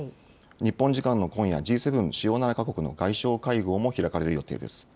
日本時間の今夜、Ｇ７・主要７か国の外相会合も開かれる予定です。